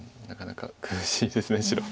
なかなか苦しいです白。